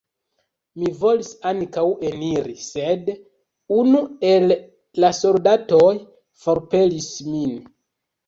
Mi volis ankaŭ eniri, sed unu el la soldatoj forpelis min.